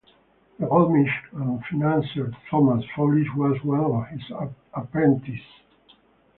The goldsmith and financier Thomas Foulis was one of his apprentices.